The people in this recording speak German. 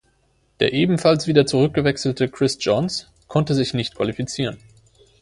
Der ebenfalls wieder zurückgewechselte Chris Johns konnte sich nicht qualifizieren.